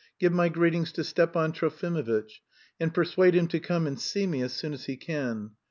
"Give my greetings to Stepan Trofimovitch, and persuade him to come and see me as soon as he can.